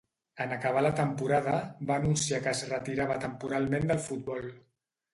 En acabar la temporada, va anunciar que es retirava temporalment del futbol.